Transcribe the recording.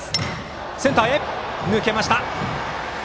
センターへ抜けました！